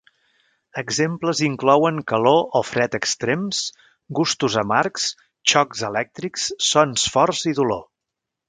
Exemples inclouen calor o fred extrems, gustos amargs, xocs elèctrics, sons forts i dolor.